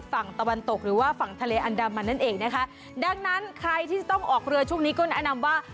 ฝั่งตะวันตกหรือว่าฝั่งทะเลอันดามันนั่นเองนะคะดังนั้นใครที่จะต้องออกเรือช่วงนี้ก็แนะนำว่า